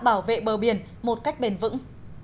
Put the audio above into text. bảo vệ bờ biển một cách bền vững